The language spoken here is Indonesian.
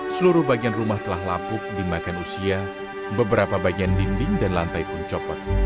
seluruh bagian rumah telah lapuk dimakan usia beberapa bagian dinding dan lantai pun copot